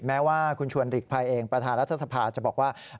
แม้ว่าคุณชวนฤกษ์ภายเองประธานรัฐธรรมภาคจะบอกว่า